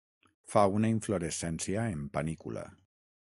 Fa una inflorescència en panícula.